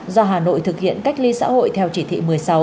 do hà nội thực hiện cách ly xã hội theo chỉ thị một mươi sáu